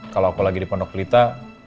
kalau aku lagi di pondok pelita